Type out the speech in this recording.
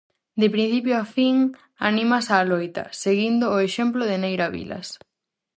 De principio a fin animas á loita, seguindo o exemplo de Neira Vilas.